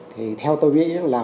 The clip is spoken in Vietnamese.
thì theo tôi nghĩ là